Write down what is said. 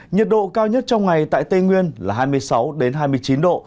nhiệt độ cao nhất trong ngày tại tây nguyên là hai mươi sáu hai mươi chín độ